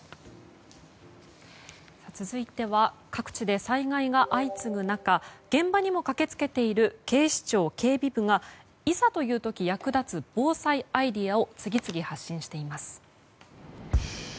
続いては各地で災害が相次ぐ中現場にも駆けつけている警視庁警備部がいざという時に役立つ防災アイデアを次々、発信しています。